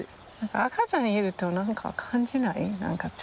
赤ちゃんいると何か感じない？